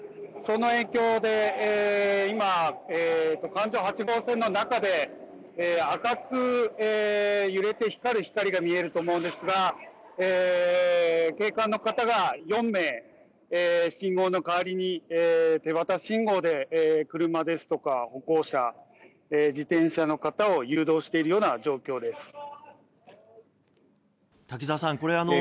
その影響で今、環状８号線の中で赤く揺れて光る光が見えると思うんですが警官の方が４名信号の代わりに手旗信号で車ですとか歩行者自転車の方を誘導しているような状況です。